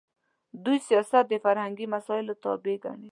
دوی سیاست د فرهنګي مسایلو تابع ګڼي.